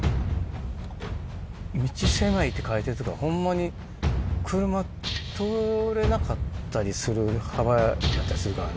「道狭い」って書いてるとこはホンマに車通れなかったりする幅やったりするからね。